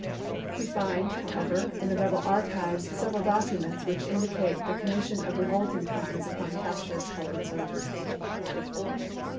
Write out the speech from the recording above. We find, however, in the p?^!*' rebel archives several documents which indicate the commission of revolting crimes upon captured colored soldiers.